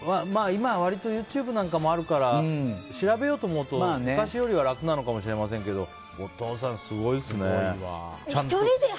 今ＹｏｕＴｕｂｅとかもあるから調べようと思うと昔よりは楽なのかもしれませんけどお父さん、すごいですね。